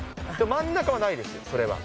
真ん中はないです、それは。